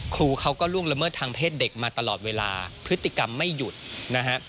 ครูเขาก็ล่วงละเมิดทางเพศเด็กมาตลอดเวลาพฤติกรรมไม่หยุดนะฮะ